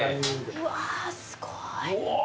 うわすごい。